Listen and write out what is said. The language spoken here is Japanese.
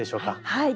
はい。